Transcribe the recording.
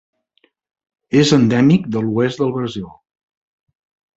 És endèmic de l'oest del Brasil.